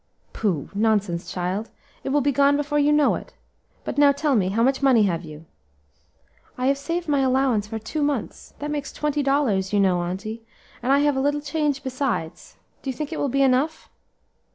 "Pooh! nonsense, child! it will be gone before you know it. But now tell me, how much money have you?" "I have saved my allowance for two months; that makes twenty dollars, you know, auntie, and I have a little change besides; do you think it will be enough?"